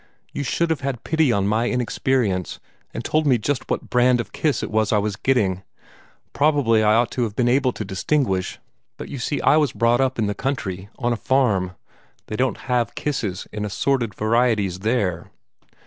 You should have had pity on my inexperience, and told me just what brand of kiss it was I was getting. Probably I ought to have been able to distinguish, but you see I was brought up in the country on a farm. They don't have kisses in assorted varieties there."